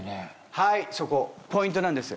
はいそこポイントなんです。